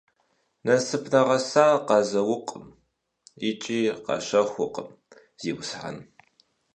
Насып нэгъэсар къазэукъым икӀи къащэхукъым, зиусхьэн.